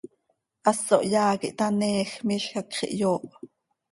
Haso hyaa quih htaneeej, miizj hacx ihyooh.